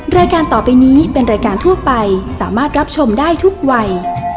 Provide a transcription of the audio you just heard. รายการต่อไปนี้เป็นรายการทั่วไปสามารถรับชมได้ทุกวัย